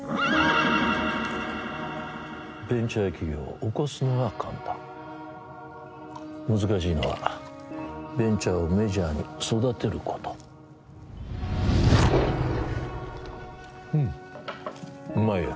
ベンチャー企業を起こすのは簡単難しいのはベンチャーをメジャーに育てることうんっうまいよ・